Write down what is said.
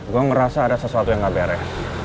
gue merasa ada sesuatu yang gak beres